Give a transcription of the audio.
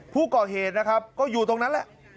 ผู้ก่อเหตุนะครับก็อยู่ตรงนั้นแหละ